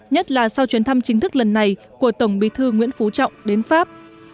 nhất là sau chuyến thăm chính thức lần này của tổng bí thư nguyễn phú trọng đến pháp